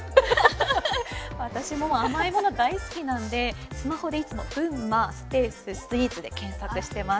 私も甘いもの大好きなんでスマホでいつも群馬スペーススイーツで検索してます。